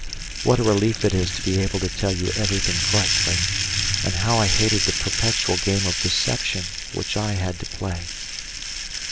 What a relief it is to be able to tell you everything frankly, and how I hated the perpetual game of deception which I had to play.